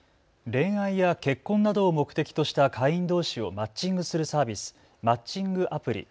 恋愛や結婚などを目的とした会員どうしをマッチングするサービス、マッチングアプリ。